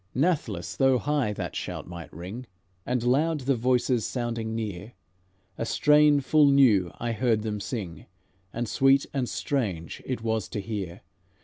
"'Nathless, though high that shout might ring, And loud the voices sounding near, A strain full new I heard them sing, And sweet and strange it was to hear.